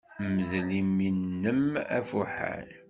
Mdel imi-nnem afuḥan.